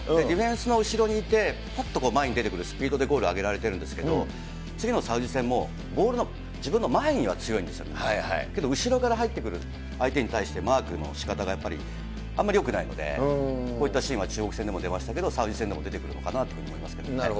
ディフェンスの後ろにいて、ぱっと前に出てくるスピードでゴール挙げられているんですけど、次のサウジ戦もボールの自分の前には強いんですけれども、けど、後ろから入ってくる相手に対してマークのしかたがやっぱりあんまりよくないので、こういったシーンは中国戦でも出ましたけど、サウジ戦でも出てくるのかなと思いますけどね。